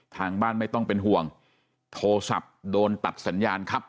ทางบ้านไม่ต้องเป็นห่วงโทรศัพท์โดนตัดสัญญาณครับ